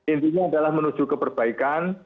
intinya adalah menuju keperbaikan